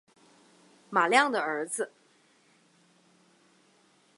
马亮的儿子